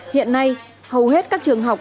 hiện nay hầu hết các trường học